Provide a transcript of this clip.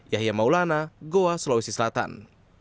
yahya maulana goa sulawesi selatan